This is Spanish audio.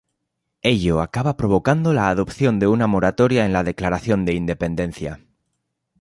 Ello acaba provocando la adopción de una moratoria en la declaración de independencia.